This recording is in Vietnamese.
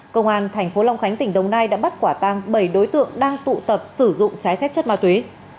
công an tp long khánh tỉnh đồng nai đã bắt quả tăng bảy đối tượng đang tụ tập sử dụng trái phép chất ma túy